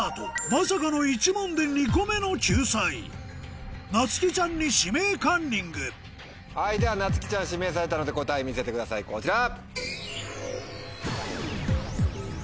まさかの１問で２個目の救済なつきちゃんに「指名カンニング」ではなつきちゃん指名されたので答え見せてくださいこちら。